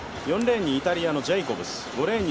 ４レーンにイタリアのジェイコブス。